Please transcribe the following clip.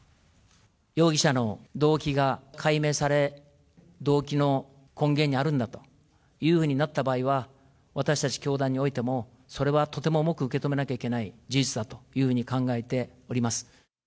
容疑者の動機が解明され、動機の根源にあるんだというふうになった場合は、私たち教団においても、それはとても重く受け止めなきゃいけない事実だというふうに考えております。